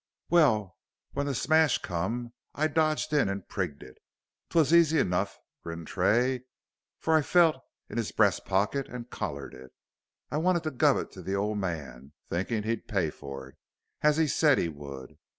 "Well, when the smash come, I dodged in and prigged it. T'wos easy 'nough," grinned Tray, "for I felt it in 'is bres' poket and collared it. I wanted to guv it t' th' ole man, thinkin' he'd pay fur it, as he said he would.